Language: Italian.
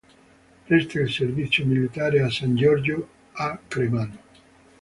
Presta il servizio militare a San Giorgio a Cremano.